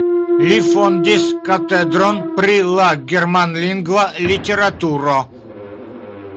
Li fondis katedron pri la germanlingva literaturo.